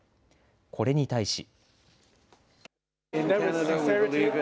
これに対し。